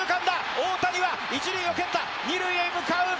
大谷が１塁を蹴った、２塁へ向かう。